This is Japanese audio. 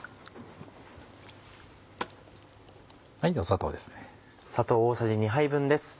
砂糖です。